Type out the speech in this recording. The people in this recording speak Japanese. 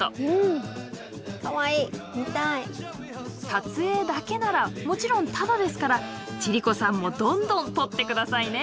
撮影だけならもちろんタダですから千里子さんもどんどん撮って下さいね。